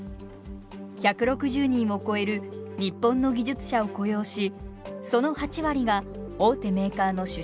１６０人を超える日本の技術者を雇用しその８割が大手メーカーの出身者です。